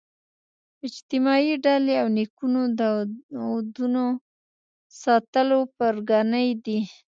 اجتماعي ډلې او نیکونو دودونو ساتلو پرګنې دي